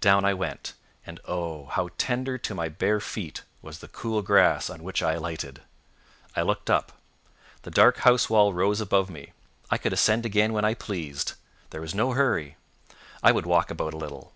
Down I went, and oh, how tender to my bare feet was the cool grass on which I alighted! I looked up. The dark housewall rose above me. I could ascend again when I pleased. There was no hurry. I would walk about a little.